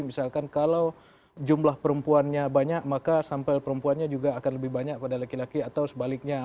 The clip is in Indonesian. misalkan kalau jumlah perempuannya banyak maka sampel perempuannya juga akan lebih banyak pada laki laki atau sebaliknya